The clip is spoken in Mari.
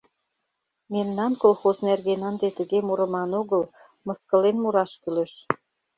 Мемнан колхоз нерген ынде тыге мурыман огыл, мыскылен мураш кӱлеш.